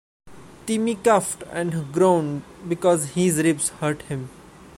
Timmy coughed and groaned, because his ribs hurt him.